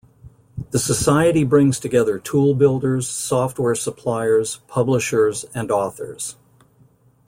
The Society brings together tool builders, software suppliers, publishers and authors.